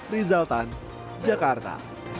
rizal tan jakarta